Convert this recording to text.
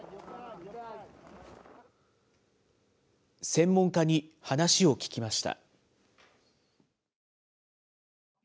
専門家に話を聞きました。